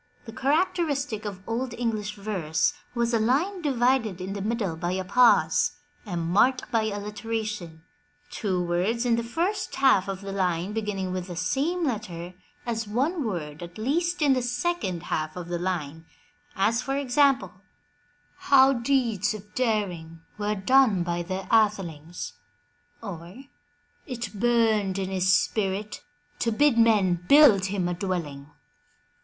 The characteristic of Old English verse was a line divided in the middle by a pause and marked by alliteration, two words in the first half of the line beginning with the same letter as one word at least in the second half of the line, as for example: How deeds of daring were done by their athelings," or, '*It burned in his spirit to bid men build him a dwelling."